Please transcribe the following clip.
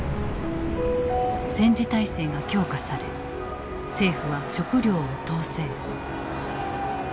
戦時体制が強化され政府は食糧を統制。